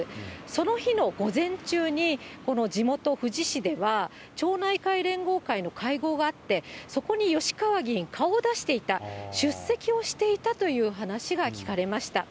その日の午前中に、この地元、富士市では、町内会連合会の会合があって、そこに吉川議員、顔を出していた、出席をしていたという話が聞かれました。